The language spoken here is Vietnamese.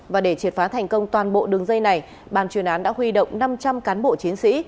và để triệt phá thành công toàn bộ đường dây này bàn chuyên án đã huy động năm trăm linh cán bộ chiến sĩ